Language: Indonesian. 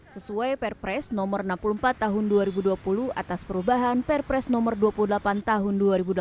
sesuai perpres nomor enam puluh empat tahun dua ribu dua puluh atas perubahan perpres nomor dua puluh delapan tahun dua ribu delapan belas